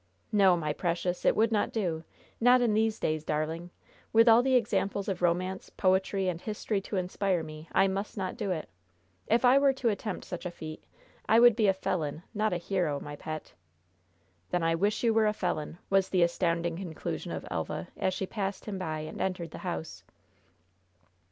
"No, my precious! It would not do! Not in these days, darling! With all the examples of romance, poetry and history to inspire me, I must not do it! If I were to attempt such a feat, I would be a felon, not a hero, my pet." "Then I wish you were a felon!" was the astounding conclusion of Elva, as she passed him by and entered the house.